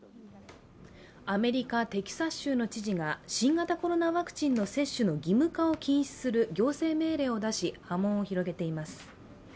アメリカテキサス州の知事が新型コロナウイルスのワクチンの接種義務化を禁止する行政命令を出し波紋を広げています。